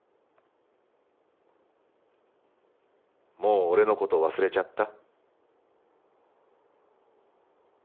「もう俺のこと忘れちゃった？」。